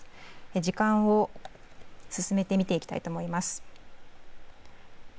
時間を進めて見ていきたいと思います。